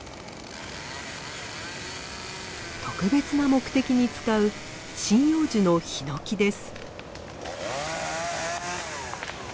特別な目的に使う針葉樹のヒノキです。